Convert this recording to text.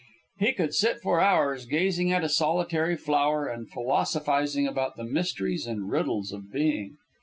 He could sit for hours gazing at a solitary flower and philosophizing about the mysteries and riddles of being.